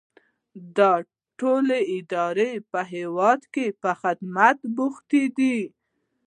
دا ټولې ادارې په هیواد کې په خدمت بوختې دي.